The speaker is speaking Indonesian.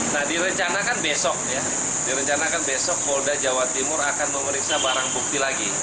nah direncanakan besok ya direncanakan besok polda jawa timur akan memeriksa barang bukti lagi